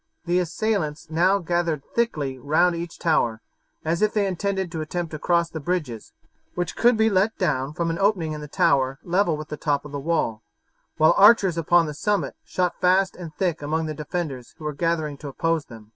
The assailants now gathered thickly round each tower, as if they intended to attempt to cross by the bridges, which could be let down from an opening in the tower level with the top of the wall, while archers upon the summit shot fast and thick among the defenders who were gathering to oppose them.